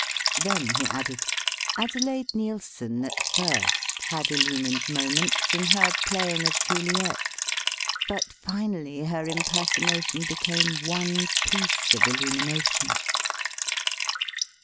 Then he added, "Adelaide Neilson, at first, had illumined moments in her playing of Juliet, but finally her impersonation became one piece of illumination."